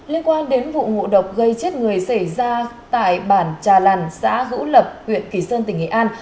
liên quan đến vụ ngộ độc gây chết người xảy ra tại bản trà lằn xã hữu lập huyện kỳ sơn tỉnh nghệ an